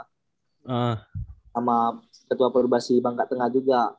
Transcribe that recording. sama ketua perubasi bangka tengah juga